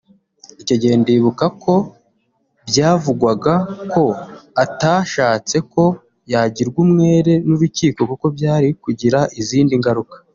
icyo gihe ndibuka ko byavugwaga ko atashatse ko yagirwa umwere n’urukiko kuko byari kugira izindi ngaruka